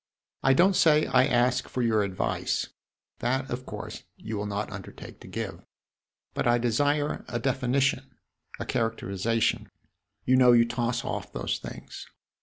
I don't say I ask for your advice; that, of course, you will not undertake to give. But I desire a definition, a characterization; you know you toss off those things.